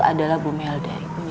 adalah bumel dari ibunya